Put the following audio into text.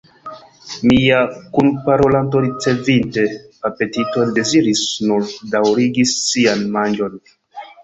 Mia kunparolanto, ricevinte apetiton, deziris nur daŭrigi sian manĝon.